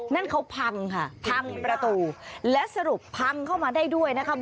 นั่นเขาพังค่ะพังประตูและสรุปพังเข้ามาได้ด้วยนะคะ